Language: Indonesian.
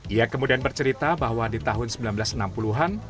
ia kemudian bercerita bahwa di tahun seribu sembilan ratus enam puluh an